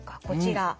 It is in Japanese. こちら。